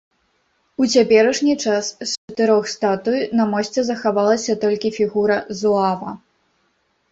У цяперашні час з чатырох статуй на мосце захавалася толькі фігура зуава.